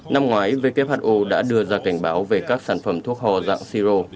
năm ngoái who đã đưa ra cảnh báo về các sản phẩm thuốc hò dạng siro